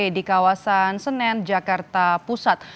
di kawasan senen jakarta pusat